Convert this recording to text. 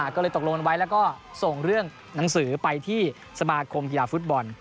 ก็เลยตกลงไว้แล้วก็ส่งเรื่องหนังสือไปที่สมาคมกีฬาฟุตบอล